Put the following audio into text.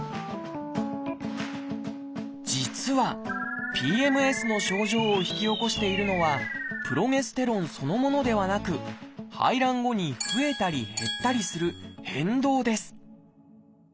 実はＰＭＳの症状を引き起こしているのはプロゲステロンそのものではなく排卵後に増えたり減ったりする変動です